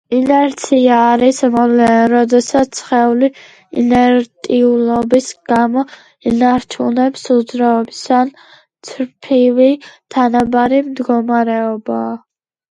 ინერცია არის მოვლენა, როდესაც სხეული ინერტიულობის გამო ინარჩუნებს უძრაობის ან წრპივი თანაბარი მდგომარეობაა.